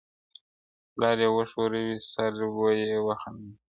پلار یې وښوروی سر و یې خندله-